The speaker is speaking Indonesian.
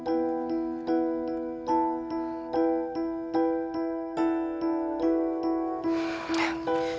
aku bisa jerah di rumah